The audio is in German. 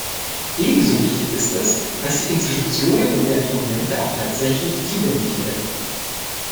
Ebenso wichtig ist es, dass die Institutionen und deren Dokumente auch tatsächlich zugänglich werden.